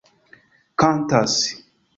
kantas